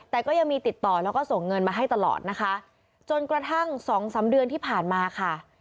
แต่ก็ยังมีติดต่อแล้วก็ส่งเงินมาให้ตลอดนะคะจนกระทั่งสองสามเดือนที่ผ่านมาค่ะ